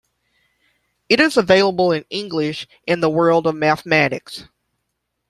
It is available in English in The World of Mathematics.